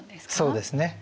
そうですね。